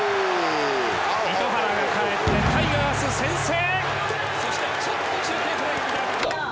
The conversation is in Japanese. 糸原がかえってタイガース先制！